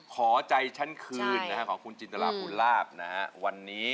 ขอใจฉันคืนของคุณจินตราภูลาภนะฮะวันนี้